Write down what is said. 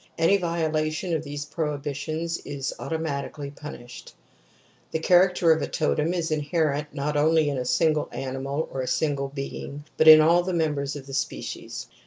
Any violation of these prohibitions is automatically punished. The character of a totem is inherent not only in a single animal or a single being but in all the members of the species.